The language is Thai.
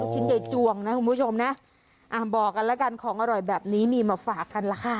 ชิ้นใหญ่จวงนะคุณผู้ชมนะบอกกันแล้วกันของอร่อยแบบนี้มีมาฝากกันล่ะค่ะ